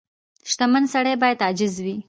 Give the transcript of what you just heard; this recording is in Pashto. • شتمن سړی باید عاجز وي.